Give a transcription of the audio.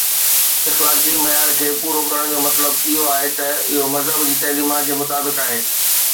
اخلاقي معيار کي پورو ڪرڻ جو مطلب اهو آهي ته اهو مذهب جي تعليمات جي مطابق آهي.